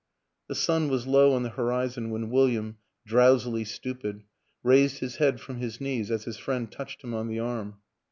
The sun was low on the horizon when William, drowsily stupid, raised his head from his knees as his friend touched him on the arm.